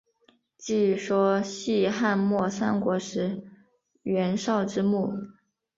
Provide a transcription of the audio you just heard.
据说系汉末三国时袁绍之墓。